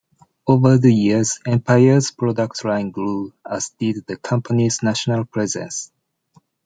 Over the years, Empire's product line grew, as did the company's national presence.